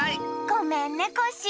ごめんねコッシー。